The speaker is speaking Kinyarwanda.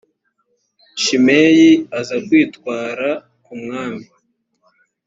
shimeyi aza kwitwara ku mwami